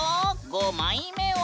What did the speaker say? ５枚目は！